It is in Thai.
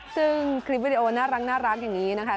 ซึ่งคลิปวิดีโอน่ารักอย่างนี้นะคะ